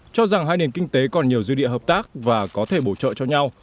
cho rằng hai nền kinh tế còn nhiều dư địa hợp tác và có thể bổ trợ cho nhau